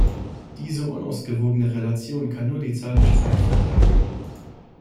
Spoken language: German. Diese unausgewogene Relation kann nur die Zahl der Streitfälle erhöhen.